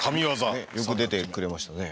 よく出てくれましたね。